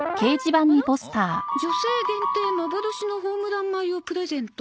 「女性限定幻のホームラン米をプレゼント」